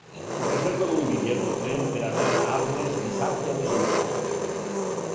Reserva'm un bitllet de tren per anar a Arnes dissabte a les onze.